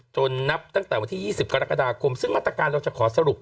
นับตั้งแต่วันที่๒๐กรกฎาคมซึ่งมาตรการเราจะขอสรุป